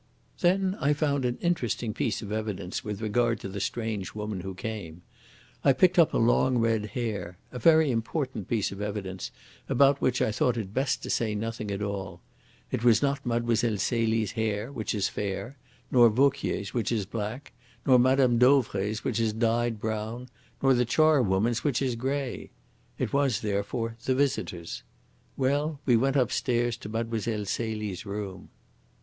"Then I found an interesting piece of evidence with regard to the strange woman who came: I picked up a long red hair a very important piece of evidence about which I thought it best to say nothing at all. It was not Mlle. Celie's hair, which is fair; nor Vauquier's, which is black; nor Mme. Dauvray's, which is dyed brown; nor the charwoman's, which is grey. It was, therefore, the visitor's. Well, we went upstairs to Mile. Celie's room."